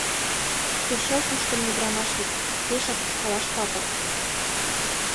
— Тудо чылт ушдымо ӱдырамаш вет, пешак ушкалаш патыр.